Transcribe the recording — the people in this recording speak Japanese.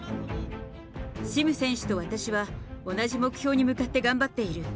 シム選手と私は同じ目標に向かって頑張っている。